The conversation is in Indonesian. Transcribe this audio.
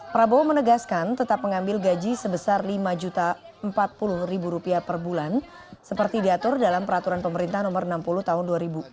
prabowo menegaskan tetap mengambil gaji sebesar rp lima empat puluh per bulan seperti diatur dalam peraturan pemerintah nomor enam puluh tahun dua ribu empat belas